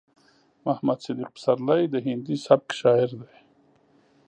محمد صديق پسرلی د هندي سبک شاعر دی.